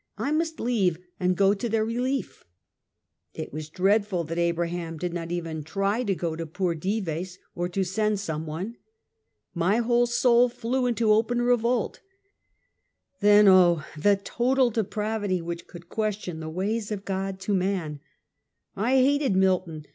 I must leave and go to their relief It was dreadful that Abraham did not even try to go to poor Dives, or to send some one. My whole soul Hew into open revolt; then oh! the total depravity which could question " the ways of God to man." I hated Milton.